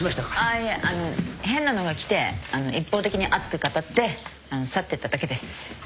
あいえあの変なのが来て一方的に熱く語って去ってっただけです。